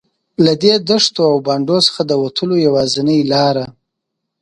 له دې دښتو او بانډو څخه د وتلو یوازینۍ لاره.